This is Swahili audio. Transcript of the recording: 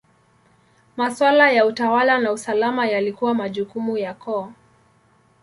Maswala ya utawala na usalama yalikuwa majukumu ya koo.